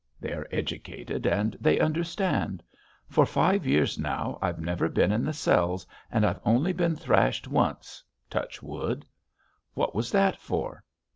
They are educated and they understand.... For five years now I've never been in the cells and I've only been thrashed once touch wood!" "What was that for?"